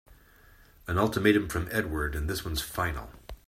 An ultimatum from Edward and this one's final!